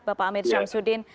bapak amir syamsuddin